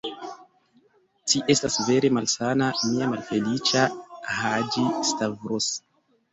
Ci estas vere malsana, mia malfeliĉa Haĝi-Stavros.